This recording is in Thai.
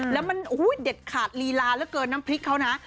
แล้วมันเด็ดขาดลีลาเหลือเกินน้ำพริกเขานะ